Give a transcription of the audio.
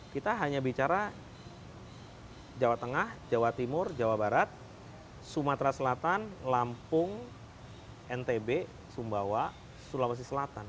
kita hanya bicara jawa tengah jawa timur jawa barat sumatera selatan lampung ntb sumbawa sulawesi selatan